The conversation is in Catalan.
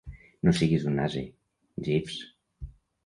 No siguis un ase, Jeeves.